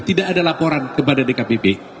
tidak ada laporan kepada dkpp